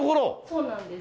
そうなんです。